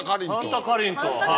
さんたかりんとう。